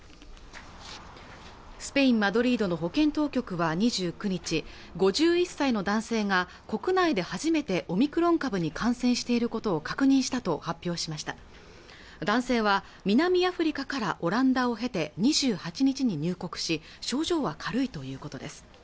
スペイン・マドリードの保健当局は２９日５１歳の男性が国内で初めてオミクロン株に感染していることを確認したと発表しました男性は南アフリカからオランダを経て２８日に入国し症状は軽いということです